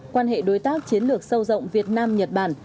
quan hệ đối tác chiến lược sâu rộng việt nam nhật bản